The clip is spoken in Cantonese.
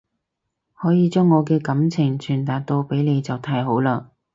可以將我嘅感情傳達到俾你就太好喇